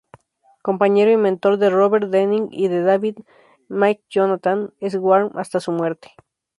Compañero y mentor de Robert Denning y de David McJonathan-Swarm hasta su muerte.